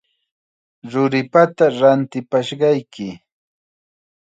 Ruripata ratipashqayki.